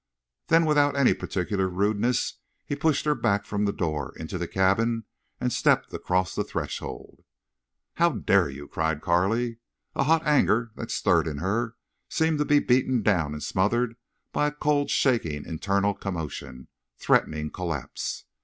Then without any particular rudeness he pushed her back from the door, into the cabin, and stepped across the threshold. "How dare—you!" cried Carley. A hot anger that stirred in her seemed to be beaten down and smothered by a cold shaking internal commotion, threatening collapse.